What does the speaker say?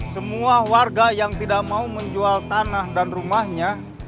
semua warga yang tidak mau menjual tanah dan rumahnya